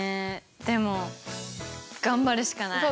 でも頑張るしかない！